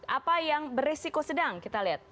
apa yang beresiko sedang kita lihat